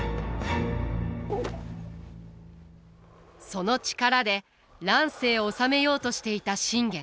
その力で乱世を治めようとしていた信玄。